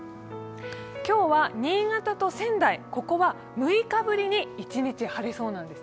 今日は新潟と仙台は６日ぶりに一日晴れそうなんです。